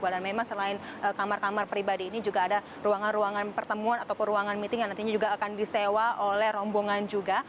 dan memang selain kamar kamar pribadi ini juga ada ruangan ruangan pertemuan atau ruangan meeting yang nantinya juga akan disewa oleh rombongan juga